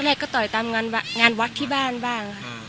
แรกก็ต่อยตามงานวัดที่บ้านบ้างค่ะ